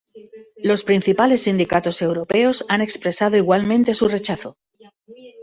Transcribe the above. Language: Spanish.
Los principales sindicatos europeos han expresado igualmente su rechazo.